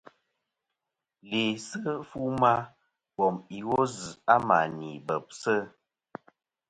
Læsɨ fu ma bom iwo zɨ a mà ni bebsɨ.